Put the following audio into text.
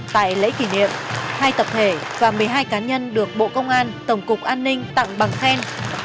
tại lễ kỷ niệm hai tập thể và một mươi hai cá nhân được bộ công an tổng cục an ninh tặng bằng khen